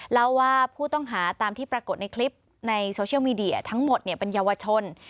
เล่าว่าผู้ต้องหาตามที่ปรากฏในคลิปในโซเชียลมีเดียทั้งหมดเป็นเยาวชน